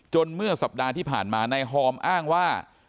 เมื่อสัปดาห์ที่ผ่านมานายฮอมอ้างว่า